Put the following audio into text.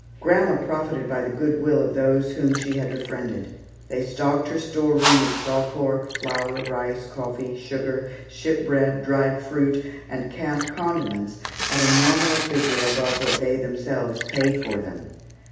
Grandma profited by the good will of those whom she had befriended. They stocked her store room with salt pork, flour, rice, coffee, sugar, ship bread, dried fruit, and camp condiments at a nominal figure above what they themselves paid for them.